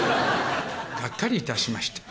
がっかりいたしました。